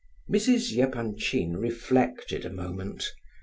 Mrs. Epanchin reflected a moment.